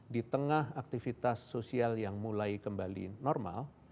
di tengah aktivitas sosial yang mulai kembali normal